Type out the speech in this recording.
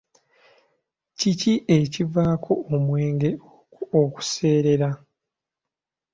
Kiki ekivaako omwenge okuseerera?